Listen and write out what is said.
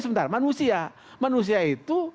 sebentar manusia manusia itu